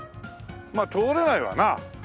まあ通れないわな。